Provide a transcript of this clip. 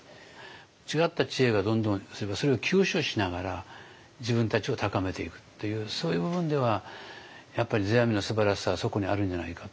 違った知恵がどんどんそれを吸収しながら自分たちを高めていくっていうそういう部分ではやっぱり世阿弥のすばらしさはそこにあるんじゃないかと。